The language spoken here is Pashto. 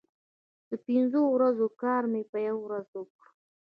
د پنځو ورځو کار مې په یوه ورځ وکړ.